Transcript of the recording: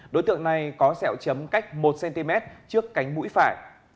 đối tượng này có sẹo chấm cách một cm trước cánh mũi phải